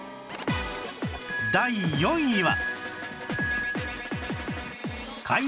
第４位は